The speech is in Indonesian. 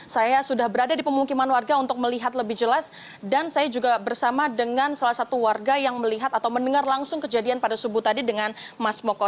saya sudah berada di pemukiman warga untuk melihat lebih jelas dan saya juga bersama dengan salah satu warga yang melihat atau mendengar langsung kejadian pada subuh tadi dengan mas moko